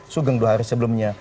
sugeng dua hari sebelumnya